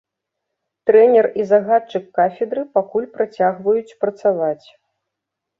Трэнер і загадчык кафедры пакуль працягваюць працаваць.